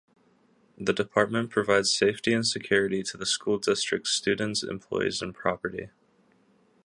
The department provides safety and security to the school district's students, employees, and property.